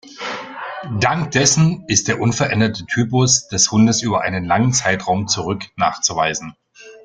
Dank dessen ist der unveränderte Typus des Hundes über einen langen Zeitraum zurück nachzuweisen.